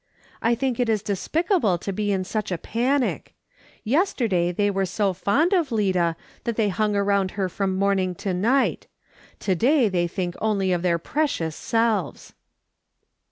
I think it is despicable to be in such a panic. Yesterday tliey were so fond of Lida that they hung around her from morning to night : to day they think only of their precious selves